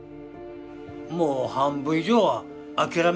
もう半分以上は諦めてたよ。